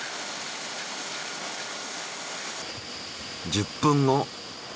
１０分後。